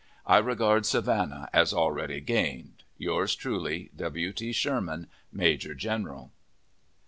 I regard Savannah as already gained. Yours truly, W. T. SHERMAN, Major General.